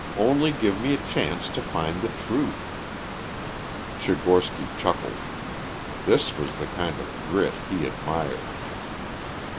Only give me a chance to find the truth." Tchigorsky chuckled. This was the kind of grit he admired.